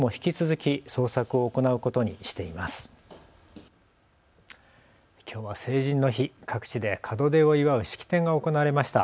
きょうは成人の日、各地で門出を祝う式典が行われました。